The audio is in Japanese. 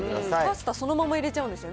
パスタそのまま入れるんですよね？